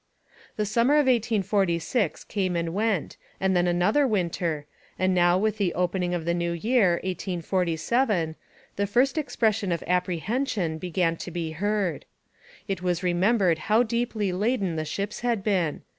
The summer of 1846 came and went and then another winter, and now with the opening of the new year, 1847, the first expression of apprehension began to be heard. It was remembered how deeply laden the ships had been.